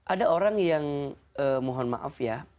ada orang yang mohon maaf ya